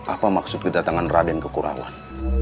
apa maksud kedatangan raden ke kurawan